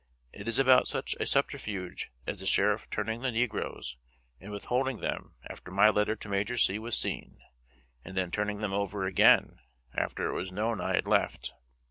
It is about such a subterfuge as the Sheriff turning the negroes and withholding them after my letter to Major C. was seen, and then turning them over again after it was known I had left.